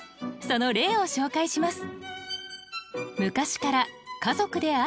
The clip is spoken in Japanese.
その例を紹介します。